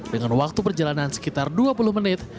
dengan waktu perjalanan sekitar dua puluh menit